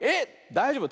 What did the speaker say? だいじょうぶ。